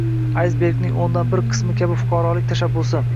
- aysbergning o‘ndan bir qismi kabi “fuqarolik tashabbusi”